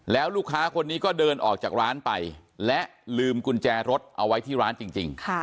แล้วลูกค้าคนนี้ก็เดินออกจากร้านไปและลืมกุญแจรถเอาไว้ที่ร้านจริง